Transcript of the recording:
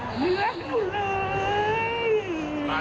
พ่อนฝนไม่รักหนูไง